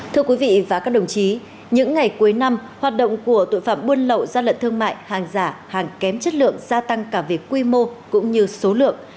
thưa quý vị và các đồng chí những ngày cuối năm hoạt động của tội phạm buôn lậu gian lận thương mại hàng giả hàng kém chất lượng gia tăng cả về quy mô cũng như số lượng